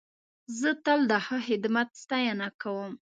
زه تل د ښه خدمت ستاینه کوم.